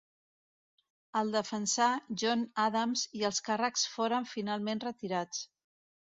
El defensà John Adams i els càrrecs foren finalment retirats.